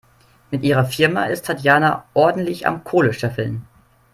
Mit ihrer Firma ist Tatjana ordentlich am Kohle scheffeln.